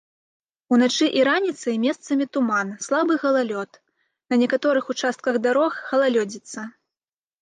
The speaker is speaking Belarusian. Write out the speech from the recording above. Уначы і раніцай месцамі туман, слабы галалёд, на некаторых участках дарог галалёдзіца.